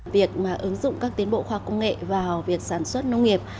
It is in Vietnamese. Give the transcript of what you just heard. việc mà ứng dụng các tiến bộ khoa công nghệ vào việc sản xuất nông nghiệp